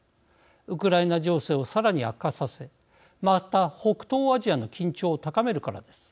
ウクライナ情勢をさらに悪化させまた、北東アジアの緊張を高めるからです。